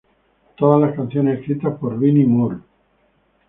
Todas las canciones escritas por Vinnie Moore